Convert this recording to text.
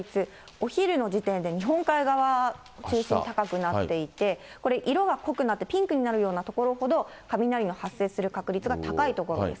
お昼の時点で日本海側中心に高くなっていて、これ、色が濃くなって、ピンクになるような所ほど、雷が発生する確率が高い所です。